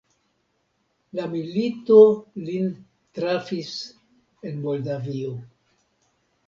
La milito lin trafis en Moldavio.